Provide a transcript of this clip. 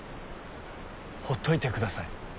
ほっといてください。